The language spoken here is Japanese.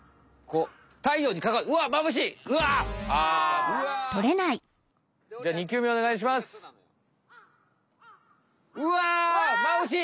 うわまぶしい！